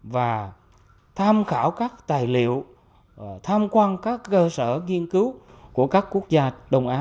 và tham khảo các tài liệu tham quan các cơ sở nghiên cứu của các quốc gia đông á